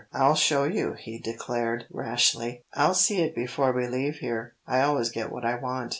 "I'll show you," he declared rashly. "I'll see it before we leave here. I always get what I want.